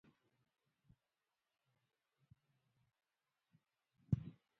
ازادي راډیو د د کار بازار پر وړاندې یوه مباحثه چمتو کړې.